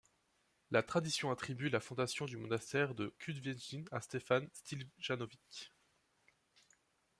La tradition attribue la fondation du monastère de Kuveždin à Stefan Štiljanović.